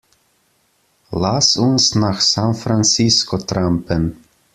Lass uns nach San Francisco trampen!